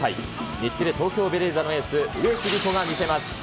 日テレ・東京ベレーザのエース、植木理子が見せます。